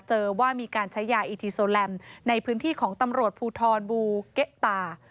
ว่ามีการใช้ยาอีทีโซแลมในพื้นที่ของตำรวจภูทรบูเกะตา